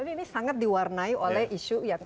pak pilpreso ini sangat diwarnai oleh isu yang